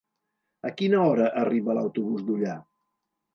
A quina hora arriba l'autobús d'Ullà?